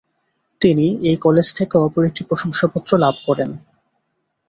তিনি এই কলেজ থেকে অপর একটি প্রশংসাপত্র লাভ করেন।